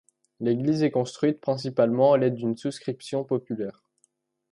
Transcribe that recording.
L'église est construite principalement à l'aide d'une souscription populaire.